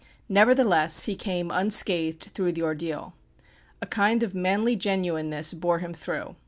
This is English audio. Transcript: Nevertheless he came unscathed through the ordeal. A kind of manly genuineness bore him through.